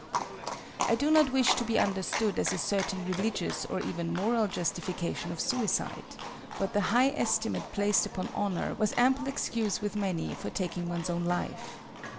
I do not wish to be understood as asserting religious or even moral justification of suicide, but the high estimate placed upon honor was ample excuse with many for taking one's own life.